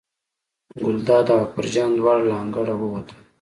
ګلداد او اکبر جان دواړه له انګړه ووتل.